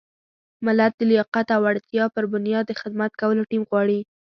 ملت د لیاقت او وړتیا پر بنیاد د خدمت کولو ټیم غواړي.